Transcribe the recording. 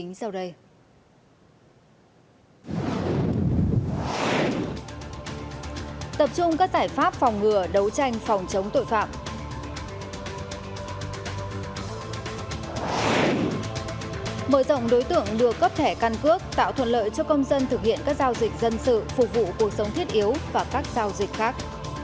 mở rộng đối tượng đưa cấp thẻ căn cước tạo thuận lợi cho công dân thực hiện các giao dịch dân sự phục vụ cuộc sống thiết yếu và các giao dịch khác